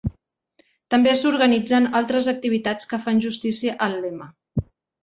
També s'organitzen altres activitats que fan justícia al lema.